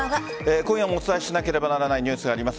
今夜もお伝えしなければならないニュースがあります。